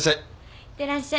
いってらっしゃい。